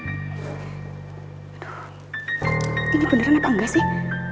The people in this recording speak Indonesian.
hai ini beneran apa enggak sih